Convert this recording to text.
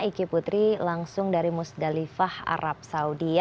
iki putri langsung dari musdalifah arab saudi